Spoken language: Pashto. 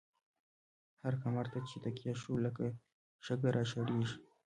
هر کمر ته چی تکیه شوو، لکه شگه را شړیږی